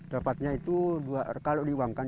dapatnya itu kalau diuangkan